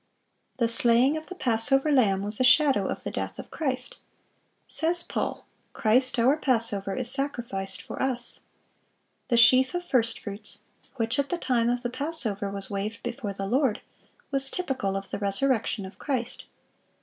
The slaying of the Passover lamb was a shadow of the death of Christ. Says Paul, "Christ our passover is sacrificed for us."(651) The sheaf of first fruits, which at the time of the Passover was waved before the Lord, was typical of the resurrection of Christ.